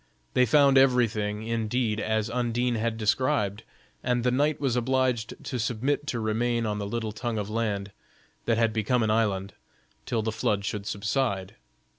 They found every thing, indeed, as Undine had described, and the knight was obliged to submit to remain on the little tongue of land, that had become an island, till the flood should subside.